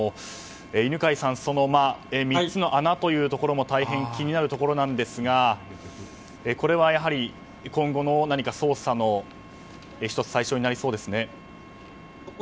犬飼さん３つの穴というところもたいへん気になるところですがこれは今後の捜査の対象となりそうですね。